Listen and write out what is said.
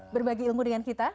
berbagi ilmu dengan kita